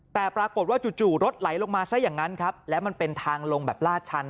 แต่ปรากฏว่าจู่รถไหลลงมาซะอย่างนั้นครับแล้วมันเป็นทางลงแบบลาดชัน